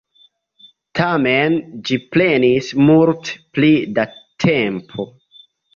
Tamen, ĝi prenis multe pli da tempo.